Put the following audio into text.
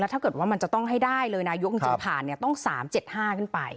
แล้วถ้าเกิดว่ามันจะต้องให้ได้เลยนะยุคจึงผ่านเนี่ยต้อง๓๗๕ขึ้นไป